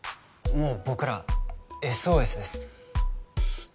もう僕らＳＯＳです